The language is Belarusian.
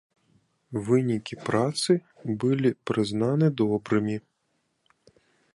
Вынікі працы былі прызнаны добрымі.